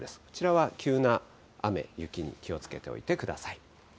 こちらは急な雨、雪に気をつけておいてください。